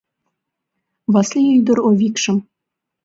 Васли ӱдыр Овикшым